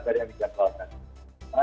dari yang kita soalkan